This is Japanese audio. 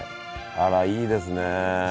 あらいいですね。